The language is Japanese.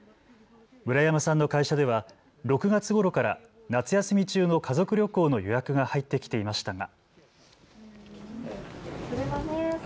村山さんの会社では６月ごろから夏休み中の家族旅行の予約が入ってきていましたが。